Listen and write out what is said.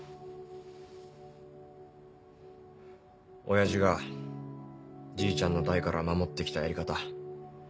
親父がじいちゃんの代から守って来たやり方